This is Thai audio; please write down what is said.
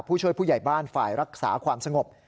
ผู้ช่วยผู้ใหญ่บ้านฝ่ายรักษาความสงบ